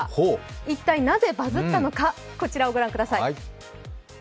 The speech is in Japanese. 一体なぜバズったのか、こちらを御覧ください。